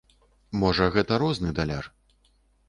Можа, гэта розны даляр.